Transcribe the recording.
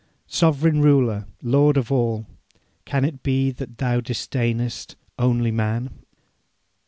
'Sovereign Ruler, Lord of all! Can it be that Thou disdainest Only man?